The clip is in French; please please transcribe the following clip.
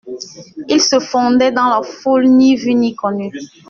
Il se fondait dans la foule, ni vu ni connu.